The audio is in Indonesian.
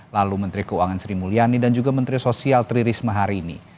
lalu menteri keuangan sri mulyani dan juga menteri sosial tri risma hari ini